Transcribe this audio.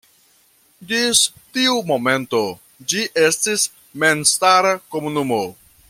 Ĝis tiu momento ĝi estis memstara komunumo.